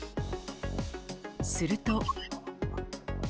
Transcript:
すると。